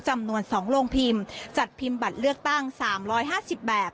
จำนวน๒โรงพิมพ์จัดพิมพ์บัตรเลือกตั้ง๓๕๐แบบ